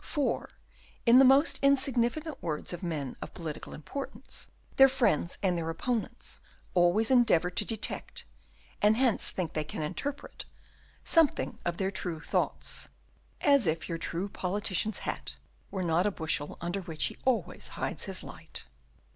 For in the most insignificant words of men of political importance their friends and their opponents always endeavour to detect, and hence think they can interpret, something of their true thoughts. As if your true politician's hat were not a bushel under which he always hides his light!